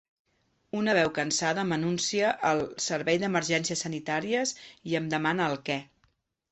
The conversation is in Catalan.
Una veu cansada m'anuncia el servei d'emergències sanitàries i em demana el què.